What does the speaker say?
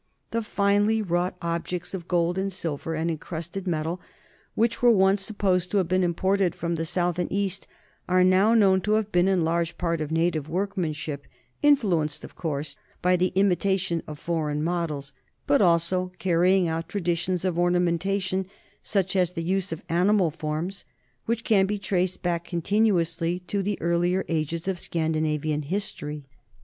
The finely wrought objects of gold and silver and en crusted metal, which were once supposed to have been imported from the south and east, are now known to have been in large part of native workmanship, in fluenced, of course, by the imitation of foreign models, but also carrying out traditions of ornamentation, such as the use of animal forms, which can be traced back continuously to the earliest ages of Scandinavian history.